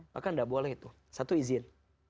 maka tidak boleh itu satu izin